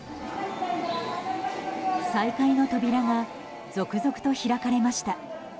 再開の扉が続々と開かれました。